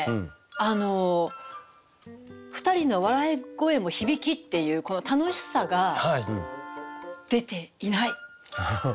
あの「ふたりの笑い声も響き」っていうこの楽しさが出ていないですか？